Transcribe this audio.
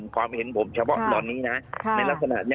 ความเห็นผมเฉพาะตอนนี้นะ